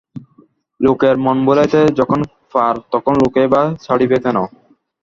লোকের মন ভুলাইতে যখন পার তখন লোকেই বা ছাড়িবে কেন।